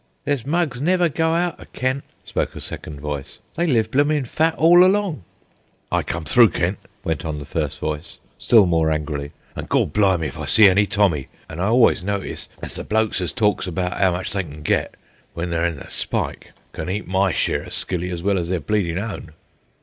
"There's mugs never go out of Kent," spoke a second voice, "they live bloomin' fat all along." "I come through Kent," went on the first voice, still more angrily, "an' Gawd blimey if I see any tommy. An' I always notices as the blokes as talks about 'ow much they can get, w'en they're in the spike can eat my share o' skilly as well as their bleedin' own."